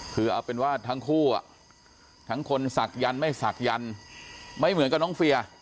คือเอาเป็นว่าทั้งคู่ทั้งคนศักดันไม่ศักดิ์ไม่เหมือนกับน้องเฟีย